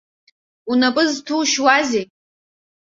Унапы зҭушьуазеи?